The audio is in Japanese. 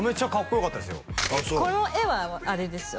この絵はあれです